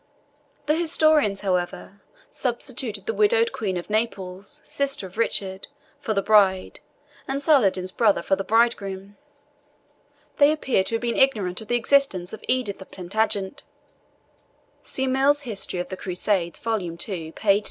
The historians, however, substitute the widowed Queen of Naples, sister of Richard, for the bride, and Saladin's brother for the bridegroom. They appear to have been ignorant of the existence of Edith of Plantagenet. See MILL'S History of the Crusades, vol. ii., p. 61.